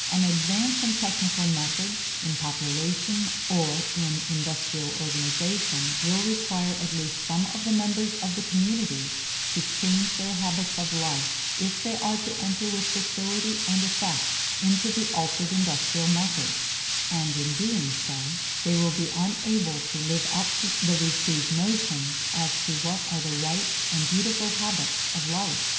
An advance in technical methods, in population, or in industrial organization will require at least some of the members of the community to change their habits of life, if they are to enter with facility and effect into the altered industrial methods; and in doing so they will be unable to live up to the received notions as to what are the right and beautiful habits of life.